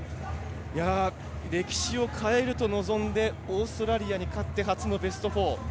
歴史を変えると臨んでオーストラリアに勝って初のベスト４。